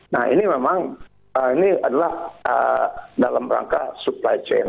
nah ini memang ini adalah dalam rangka supply chain